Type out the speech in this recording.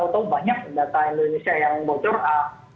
ya memang saya juga melihat bahwa ini